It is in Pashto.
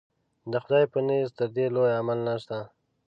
د خدای په نزد تر دې لوی عمل نشته.